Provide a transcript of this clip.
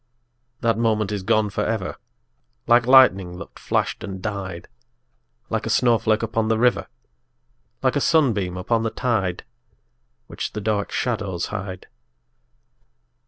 _5 2. That moment is gone for ever, Like lightning that flashed and died Like a snowflake upon the river Like a sunbeam upon the tide, Which the dark shadows hide.